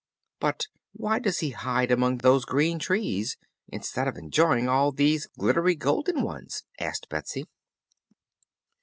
"But why does he hide among those green trees, instead of enjoying all these glittery golden ones?" asked Betsy.